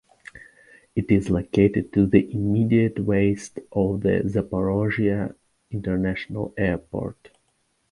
It is located to the immediate west of the Zaporizhzhia International Airport.